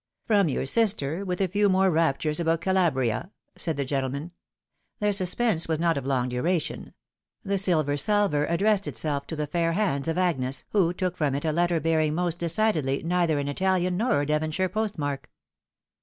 "From your sister, with a few more raptures about Cala bria," said the gentleman. Their suspense was not of long duration ; the silver salver addressed itself to the fair hands of Agnes, who took from it a letter bearing most decidedly neither an Italian nor a Devonshire postmark.